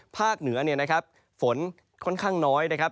ภาคเหนือฝนค่อนข้างน้อยนะครับ